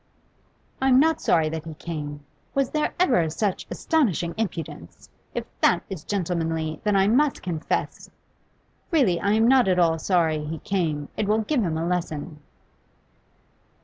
'I'm not sorry that he came. Was there ever such astonishing impudence? If that is gentlemanly, then I must confess I Really I am not at all sorry he came: it will give him a lesson.